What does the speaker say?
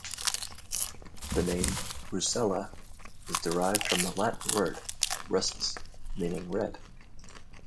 The name "Russula" is derived from the Latin word "russus", meaning "red".